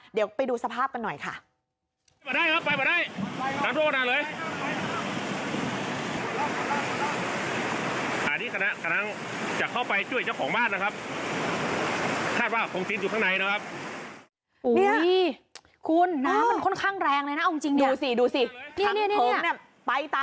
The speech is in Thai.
เดี๋ยวไปดูสภาพกันหน่อยค่ะ